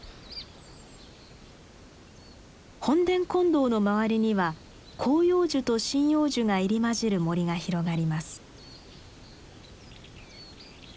本殿金堂の周りには広葉樹と針葉樹が入り交じる森が広がります。